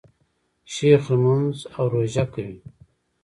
شیخ لمونځ او روژه کوي.